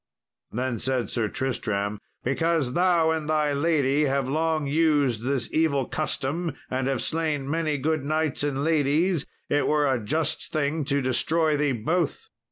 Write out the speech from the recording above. Then said Sir Tristram, "Because thou and thy lady have long used this evil custom, and have slain many good knights and ladies, it were a just thing to destroy thee both."